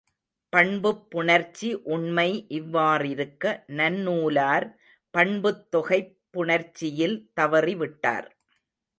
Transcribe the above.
பண்புப் புணர்ச்சி உண்மை இவ்வாறிருக்க, நன்னூலார் பண்புத் தொகைப் புணர்ச்சியில் தவறிவிட்டார்.